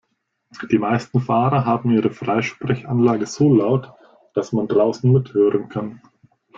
Die meisten Fahrer haben ihre Freisprechanlage so laut, dass man draußen mithören kann.